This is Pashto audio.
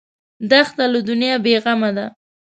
دښته له دنیا بېغمه ده.